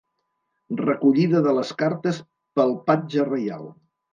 Recollida de les cartes pel patge reial.